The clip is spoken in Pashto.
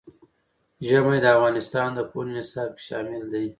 ژمی د افغانستان د پوهنې نصاب کې شامل دي.